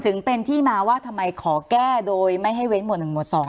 ถึงเป็นที่มาว่าทำไมขอแก้โดยไม่ให้เว้นหมวด๑หมวด๒